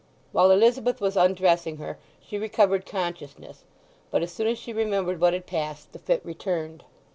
While Elizabeth was undressing her she recovered consciousness; but as soon as she remembered what had passed the fit returned.